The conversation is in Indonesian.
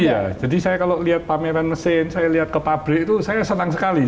iya jadi saya kalau lihat pameran mesin saya lihat ke pabrik itu saya senang sekali